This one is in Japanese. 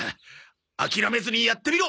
諦めずにやってみろ！